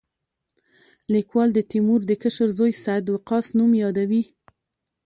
لیکوال د تیمور د کشر زوی سعد وقاص نوم یادوي.